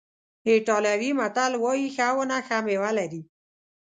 ایټالوي متل وایي ښه ونه ښه میوه لري.